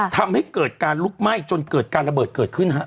ทำให้เกิดการลุกไหม้จนเกิดการระเบิดเกิดขึ้นฮะ